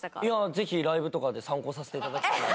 ぜひライブとかで参考にさせていただきたいなと。